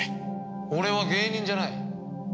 俺は芸人じゃない。